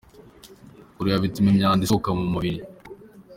Kurira bituma imyanda isohoka mu mubiri .